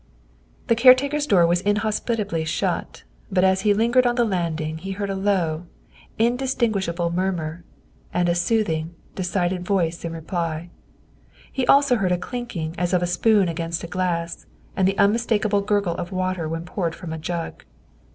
The caretaker's door was inhospitably shut, but as he lingered on the landing he heard a low, indistinguish able murmur, and a soothing, decided voice in reply; he also heard a clinking as of a spoon against a glass and the unmistakable gurgle of water when poured from a jug.